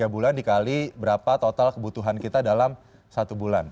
tiga bulan dikali berapa total kebutuhan kita dalam satu bulan